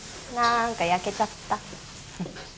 何かやけちゃった。